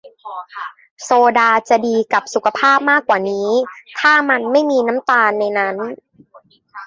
โซดาจะดีกับสุขภาพมากกว่านี้ ถ้ามันไม่มีน้ำตาลในนั้น